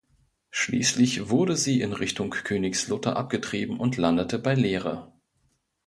Schließlich wurde sie in Richtung Königslutter abgetrieben und landete bei Lehre.